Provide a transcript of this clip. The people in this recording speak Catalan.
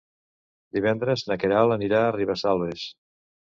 Divendres na Queralt anirà a Ribesalbes.